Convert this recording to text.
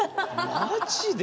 マジで？